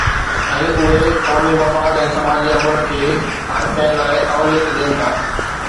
۽ اهي قومي مفاد ۽ سماجي امن کي هر ڪنهن لاءِ اوليت ڏين ٿا.